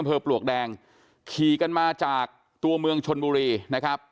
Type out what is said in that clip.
ปลวกแดงขี่กันมาจากตัวเมืองชนบุรีนะครับ